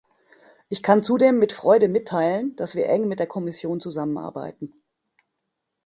Ich kann zudem mit Freude mitteilen, dass wir eng mit der Kommission zusammenarbeiten.